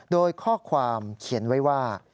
โดยข้อความเขียนไว้ว่า